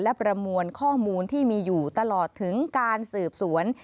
และประมวลข้อมูลที่มีอยู่ตลอดถึงการสืบสวน